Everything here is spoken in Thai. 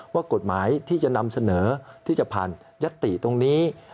ว่ากฎหมายที่จะนำเสนอที่จะผ่านยัตติตรงนี้